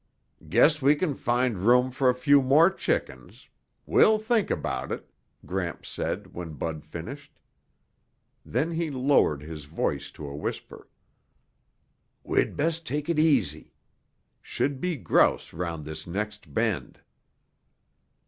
"Guess we can find room for a few more chickens. We'll think about it," Gramps said when Bud finished. Then he lowered his voice to a whisper. "We'd best take it easy. Should be grouse round this next bend."